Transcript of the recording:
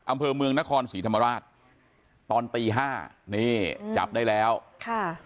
อำเภอเมืองนครศรีธรรมราชตอนตีห้านี่จับได้แล้วค่ะ